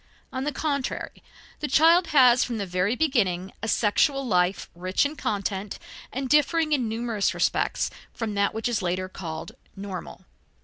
On the contrary the child has from the very beginning a sexual life rich in content and differing in numerous respects from that which is later considered normal.